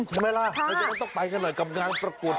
ใช่ไหมล่ะเราต้องไปกันหน่อยกับงานปรากฏ